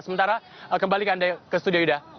sementara kembali ke anda ke studio yuda